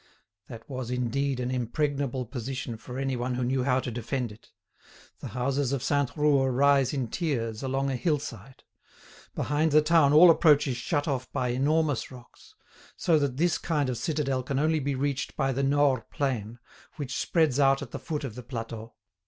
That was, indeed, an impregnable position for any one who knew how to defend it. The houses of Sainte Roure rise in tiers along a hill side; behind the town all approach is shut off by enormous rocks, so that this kind of citadel can only be reached by the Nores plain, which spreads out at the foot of the plateau.